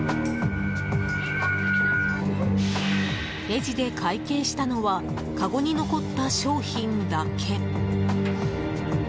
レジで会計したのはかごに残った商品だけ。